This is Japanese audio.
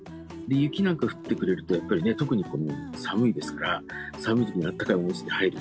雪なんか降ってくれるとやっぱりね特に寒いですから寒い時に温かい温泉に入る。